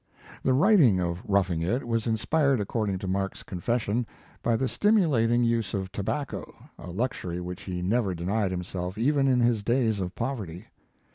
* The writing of "Roughing It," was inspired according to Mark s confession, by the stimulating use of tobacco, a luxury which he never denied himself even in his days of poverty.